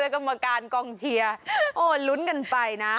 กรรมการกองเชียร์โอ้ลุ้นกันไปนะ